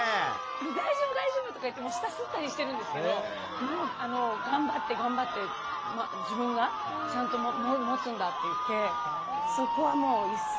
「大丈夫大丈夫」とか言って下すったりしてるんですけどもう頑張って頑張って自分がちゃんと持つんだって言ってそこはもう一切私には持たせないですね